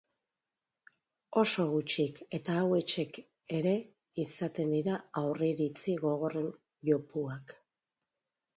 Oso gutxik, eta auetxek ere izaten dira aurriritzi gogorren jopuak.